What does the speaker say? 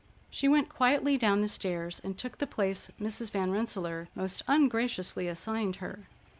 She went quietly down the stairs and took the place Mrs. Van Rensselaer most ungraciously assigned her.